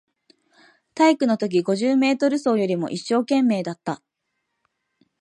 体育のときの五十メートル走よりも一生懸命だった